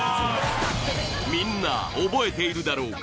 みんな覚えているだろうか？